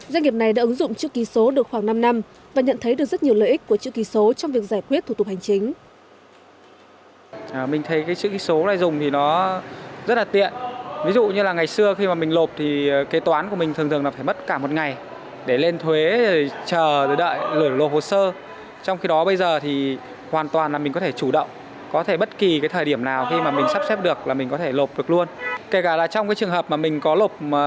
doanh nghiệp này đã ứng dụng chữ ký số được khoảng năm năm và nhận thấy được rất nhiều lợi ích của chữ ký số trong việc giải quyết thủ tục hành chính